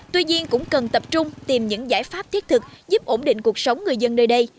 tuy nhiên cũng cần tập trung tìm những giải pháp thiết thực giúp ổn định cuộc sống người dân nơi đây